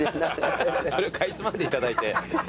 それをかいつまんでいただいて。